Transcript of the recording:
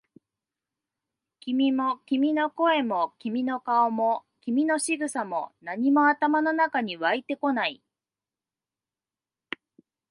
君も、君の声も、君の顔も、君の仕草も、何も頭の中に湧いてこない。